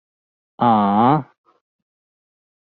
啊呀